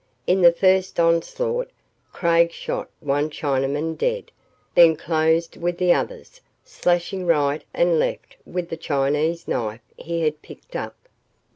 In the first onslaught, Craig shot one Chinaman dead, then closed with the others, slashing right and left with the Chinese knife he had picked up.